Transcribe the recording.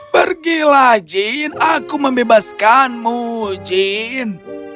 pergilah jin aku membebaskanmu jin